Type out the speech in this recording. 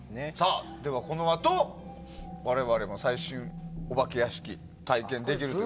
このあと我々の最新お化け屋敷体験できるという。